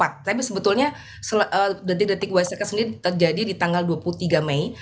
tapi sebetulnya detik detik wasica sendiri terjadi di tanggal dua puluh tiga mei